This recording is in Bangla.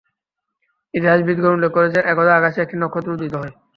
ইতিহাসবিদগণ উল্লেখ করেছেন, একদা আকাশে একটি নক্ষত্র উদিত হয়।